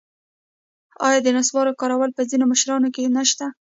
آیا د نصوارو کارول په ځینو مشرانو کې نشته؟